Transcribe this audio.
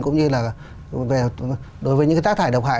cũng như là đối với những cái tác thải độc hại